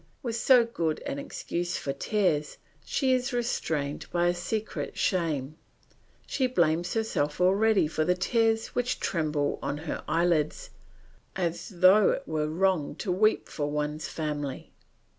With so good an excuse for tears, she is restrained by a secret shame; she blames herself already for the tears which tremble on her eyelids, as though it were wrong to weep for one's family.